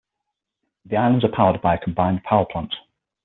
The islands are powered by a combined power plant.